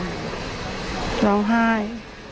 เก่งด้านอาย